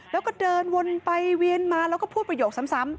แล้วก็เดินวนไปเวียนมาแล้วก็พูดประโยคซ้ำ